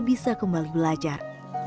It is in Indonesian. dan bisa kembali belajar